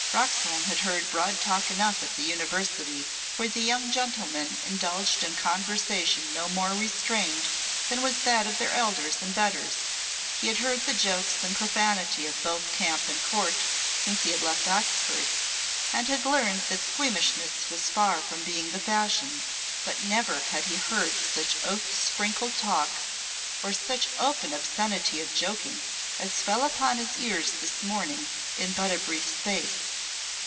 Roxholm had heard broad talk enough at the University, where the young gentlemen indulged in conversation no more restrained than was that of their elders and betters; he had heard the jokes and profanity of both camp and Court since he had left Oxford, and had learned that squeamishness was far from being the fashion. But never had he heard such oath sprinkled talk or such open obscenity of joking as fell upon his ears this morning in but a brief space.